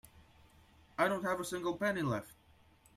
I don't have a single penny left.